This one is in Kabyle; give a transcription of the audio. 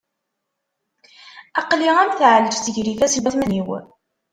Aql-i am tɛelǧet gar yifassen n watmaten-iw.